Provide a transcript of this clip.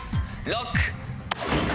ＬＯＣＫ！